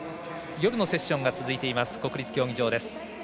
夜のセッションが続いています国立競技場です。